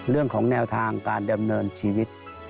เรื่องของแนวทางการดำเนินชีวิต